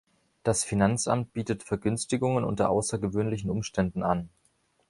Das Finanzamt bietet Vergünstigungen unter außergewöhnlichen Umständen an.